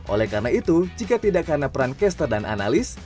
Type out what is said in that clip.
oleh karena itu jika tidak karena peran caster dan analis